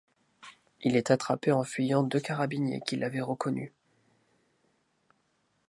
Il est attrapé en fuyant deux Carabiniers qui l’avait reconnu.